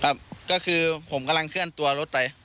ครับก็คือผมกำลังเคลื่อนตัวรถไป